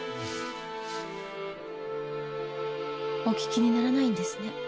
お聞きにならないんですね。